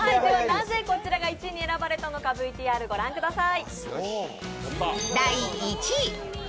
なぜこちらが１位に選ばれたのか、ＶＴＲご覧ください。